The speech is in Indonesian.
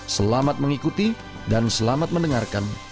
selamat mengikuti dan selamat mendengarkan